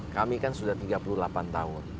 kami kan sudah tiga puluh delapan tahun